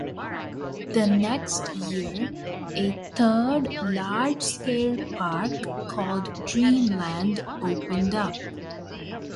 The next year a third large-scale park called Dreamland opened up.